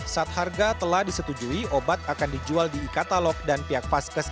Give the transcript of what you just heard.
saat harga telah disetujui obat akan dijual di e katalog dan pihak vaskes